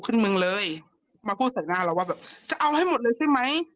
คืนเมืองเลยมาพูดใส่ในหน้าเราว่าจะเอาให้หมดเลยใช่ไหม